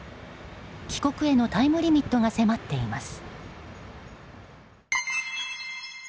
帰国へのタイムリミットが迫っています。